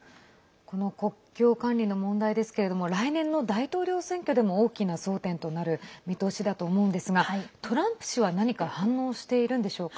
この国境管理の問題ですが来年の大統領選挙でも大きな争点となる見通しだと思うんですがトランプ氏は何か反応しているんでしょうか。